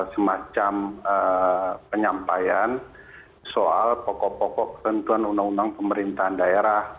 semacam penyampaian soal pokok pokok ketentuan undang undang pemerintahan daerah